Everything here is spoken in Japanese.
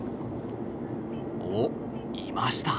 お、いました。